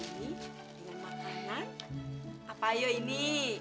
dengan makanan apa ini